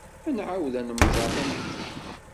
Ad nɛawed ad nemmẓer tameddit-a.